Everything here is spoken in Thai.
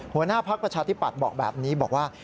หัวหน้าภักดิ์ประชาธิปัตย์บอกแบบนี้บอกว่า